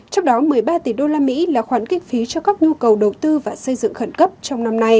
trong đó một mươi ba tỷ đô la mỹ là khoản kích phí cho các nhu cầu đầu tư và xây dựng khẩn cấp trong năm nay